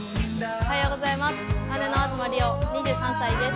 おはようございます。